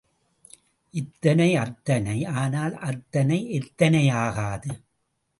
இத்தனை அத்தனை ஆனால் அத்தனை எத்தனை ஆகாது?